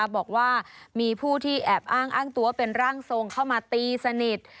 บอกว่ามีผู้ที่แอบอ้างอ้างตัวเป็นร่างทรงเข้ามาตีสนิท